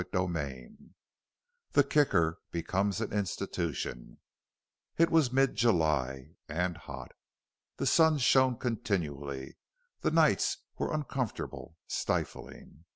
CHAPTER VII THE "KICKER" BECOMES AN INSTITUTION It was mid July and hot. The sun shone continually; the nights were uncomfortable, stifling.